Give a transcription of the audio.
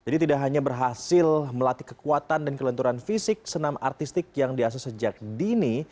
jadi tidak hanya berhasil melatih kekuatan dan kelenturan fisik senam artistik yang diakses sejak dini